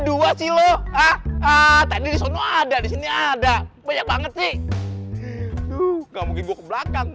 dua silo ah tadi disitu ada di sini ada banyak banget sih tuh kamu juga belakang